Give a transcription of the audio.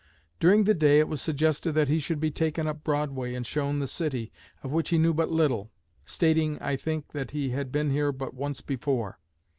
During the day it was suggested that he should be taken up Broadway and shown the city, of which he knew but little stating, I think, that he had been here but once before.